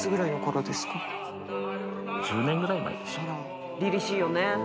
１０年ぐらい前ですね。